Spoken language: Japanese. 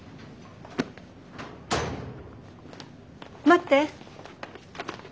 待って。